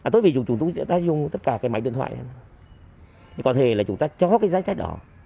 tối vì chúng ta dùng tất cả máy điện thoại có thể là chúng ta cho cái giá trái đỏ